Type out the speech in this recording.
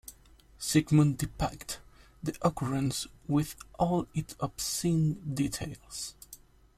Sigmund depicted the occurrence with all its obscene details.